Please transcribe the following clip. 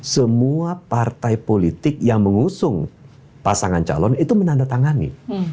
semua partai politik yang mengusung pasangan calon itu menandatangani